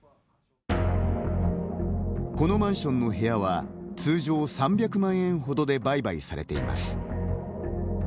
このマンションの部屋は通常３００万円ほどで売買されています。